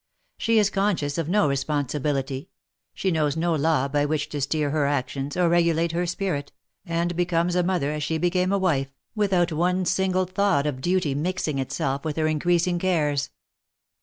She is conscious of no responsibility, she knows no law by which to steer her actions, or regulate her spirit, and becomes a mother as she became a wife, without one single thought of duty mixing itself with her increasing cares.